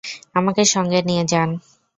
আমাকে সঙ্গে নিয়ে যান!